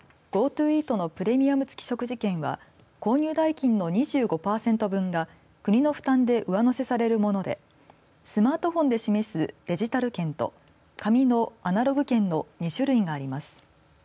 ＧｏＴｏイートのプレミアム付き食事券は購入代金の２５パーセント分が国の負担で上乗せされるものでスマートフォンで示すデジタル券と紙のアナログ券の２種類があります。